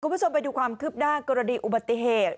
คุณผู้ชมไปดูความคืบหน้ากรณีอุบัติเหตุ